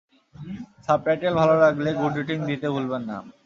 Subtitle ভালো লাগলে good rating দিতে ভুলবেন না।